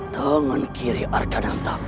tangan kiri arkananta